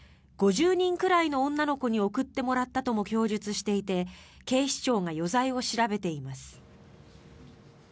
５０人くらいの女の子に送ってもらったとも供述していて警視庁が余罪を調べています。